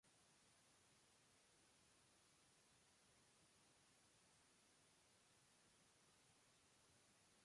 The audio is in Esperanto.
Pli ofta esperanta mallongigo de "kaj" estas simpla "k".